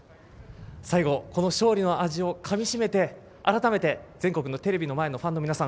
最後この勝利の味をかみ締めて改めて全国のテレビの前のファンの皆さん